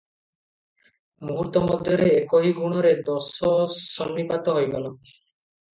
ମୁହୂର୍ତ୍ତ ମଧ୍ୟରେ 'ଏକୋହି ଗୁଣରେ ଦୋଷ ସନ୍ନିପାତ' ହୋଇଗଲା ।